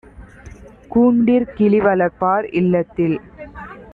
கூண்டிற் கிளிவளர்ப்பார் - இல்லத்தில்